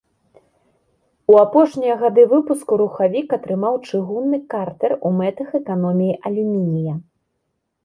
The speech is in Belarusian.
У апошнія гады выпуску рухавік атрымаў чыгунны картэр у мэтах эканоміі алюмінія.